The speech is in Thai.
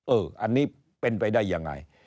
อันนี้เป็นไปได้ยังไง